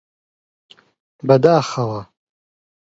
بەداخەوە!